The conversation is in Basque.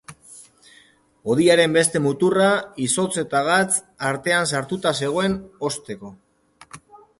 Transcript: Hodiaren beste muturra izotz eta gatz artean sartuta zegoen, hozteko.